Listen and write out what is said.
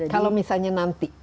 kalau misalnya nanti